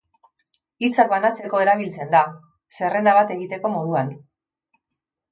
Hitzak banatzeko erabiltzen da, zerrenda bat egiteko moduan.